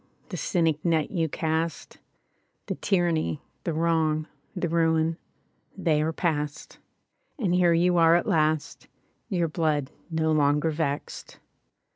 The cynic net you cast, The tyranny, the wrong, The ruin, ihey are past; And here you are at last, Your blood no longer vexed.